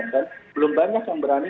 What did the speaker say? dan belum banyak yang berani